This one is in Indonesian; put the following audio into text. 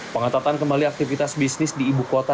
pengatatan kembali aktivitas bisnis di ibu kota